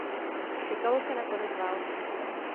Čekalo se na konec války.